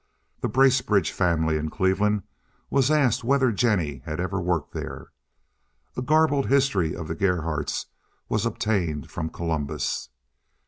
The Bracebridge family in Cleveland was asked whether Jennie had ever worked there. A garbled history of the Gerhardts was obtained from Columbus.